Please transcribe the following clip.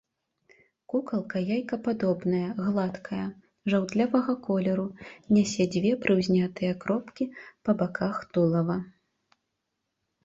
Кукалка яйкападобная, гладкая, жаўтлявага колеру, нясе дзве прыўзнятыя кропкі па баках тулава.